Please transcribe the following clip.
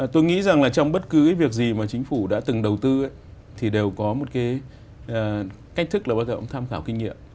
tôi nghĩ rằng là trong bất cứ cái việc gì mà chính phủ đã từng đầu tư thì đều có một cái cách thức là bắt đầu ông tham khảo kinh nghiệm